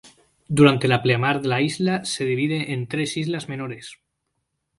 Durante la pleamar la isla se divide en tres islas menores.